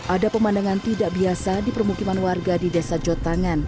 ada pemandangan tidak biasa di permukiman warga di desa jotangan